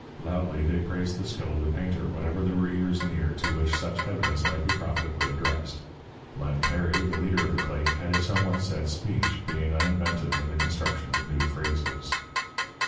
Loudly they praised the skill of the painter whenever there were ears near to which such evidence might be profitably addressed. Lem Perry, the leader of the claque, had a somewhat set speech, being uninventive in the construction of new phrases.